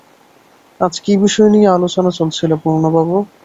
আজ কী বিষয় নিয়ে আলোচনা চলছিল পূর্ণবাবু?